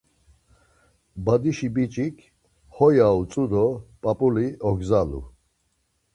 Badişi biç̌ik, ho ya utzu do p̌ap̌uli ogzalu.